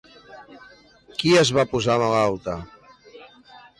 Qui es va posar malalta?